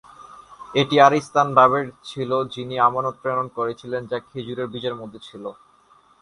এটি আরিস্তান-বাবের ছিল যিনি আমানত প্রেরণ করেছিলেন, যা খেজুরের বীজের মধ্যে ছিল।